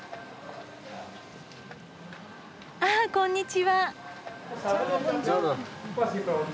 あこんにちは。